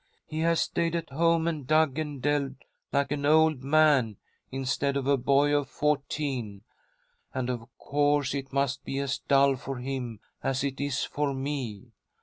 He has stayed at home and dug and delved like an old man instead of a boy of fourteen, and of course it must be as dull for him as it is for me.